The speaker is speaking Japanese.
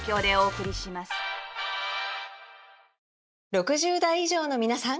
６０代以上のみなさん！